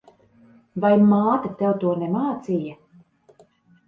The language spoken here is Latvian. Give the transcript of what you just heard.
Vai māte tev to nemācīja?